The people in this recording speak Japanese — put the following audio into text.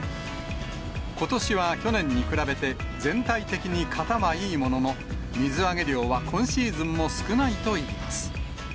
ことしは去年に比べて、全体的に型はいいものの、水揚げ量は今シーズンも少ないといいます。